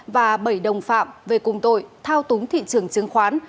và bảy đồng phạm về cùng tội thao túng thị trường chứng khoán